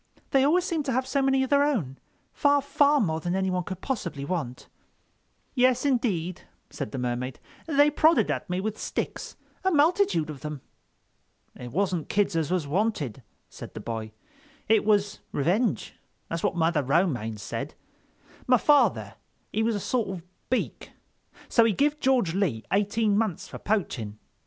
They always seem to have so many of their own—far, far more than anyone could possibly want." "Yes, indeed," said the Mermaid, "they prodded at me with sticks—a multitude of them." "It wasn't kids as was wanted," said the boy, "it was revenge. That's what Mother Romaine said—my father he was a sort of Beak, so he give George Lee eighteen months for poaching.